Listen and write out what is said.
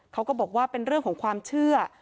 เขาก็บอกว่าเป็นเรื่องของความเชื่อ